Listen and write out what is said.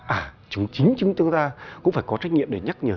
à chúng chính chúng ta cũng phải có trách nhiệm để nhắc nhở